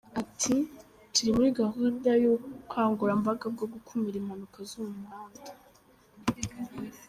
Ati “Turi muri gahunda y’ubukangurambaga bwo gukumira impanuka zo mu muhanda.